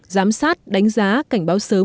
giám sát đánh giá cảnh báo sớm